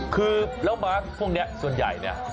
คือแล้วม้าพวกนี้ส่วนใหญ่เนี่ย